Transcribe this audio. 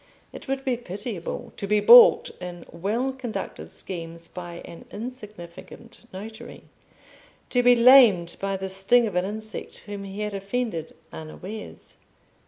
It would be pitiable to be balked in well conducted schemes by an insignificant notary; to be lamed by the sting of an insect whom he had offended unawares.